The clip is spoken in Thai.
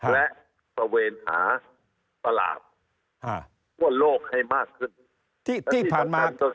และประเวณหาประหลาดว่าโลกให้มากขึ้น